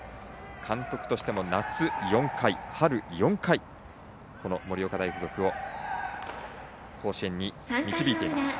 監督としても夏４回、春４回この盛岡大付属を甲子園に導いています。